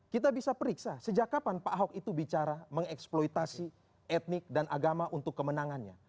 kita bisa periksa sejak kapan pak ahok itu bicara mengeksploitasi etnik dan agama untuk kemenangannya